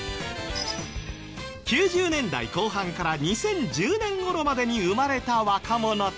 ９０年代後半から２０１０年頃までに生まれた若者たち。